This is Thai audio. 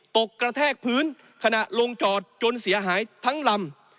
กระแทกพื้นขณะลงจอดจนเสียหายทั้งลำ